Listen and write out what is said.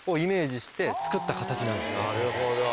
なるほど。